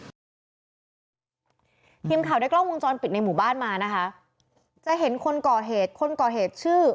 ทีมข่าวได้กล้องวงจรปิดในหมู่บ้านมานะคะจะเห็นคนก่อเหตุคนก่อเหตุชื่อ